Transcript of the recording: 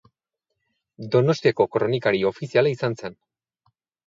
Donostiako kronikari ofiziala izan zen.